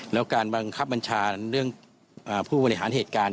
แล้วการบังคับบัญชาเรื่องผู้บริหารเหตุการณ์